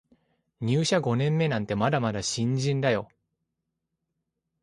入社五年目なんてまだまだ新人だよ